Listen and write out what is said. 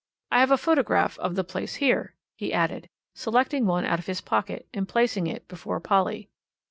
I have a photograph of the place here," he added, selecting one out of his pocket, and placing it before Polly.